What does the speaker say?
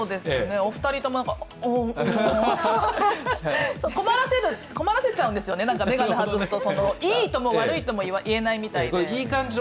お二人とも、うんみたいな困らせちゃうんですよね、眼鏡外すといいとも悪いとも言えないみたいで。